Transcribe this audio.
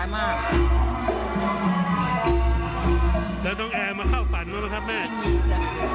แม่ก็จำได้ให้เอาไว้จำว่าติดใจมันโหดร้ายมาก